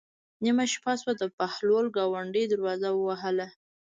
نیمه شپه شوه د بهلول ګاونډي دروازه ووهله.